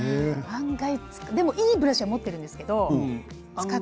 でもいいブラシは持っているんです。